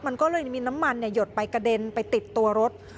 มันก็เลยมีน้ำมันหยดไปกระเด็นไปติดตัวรถ